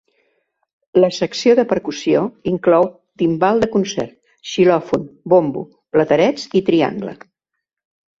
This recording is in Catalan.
La secció de percussió inclou timbal de concert, xilòfon, bombo, platerets i triangle.